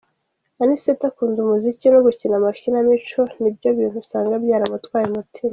Anicet akunda umuziki no gukina amakinamico, nibyo bintu usanga byaramutwaye umutima.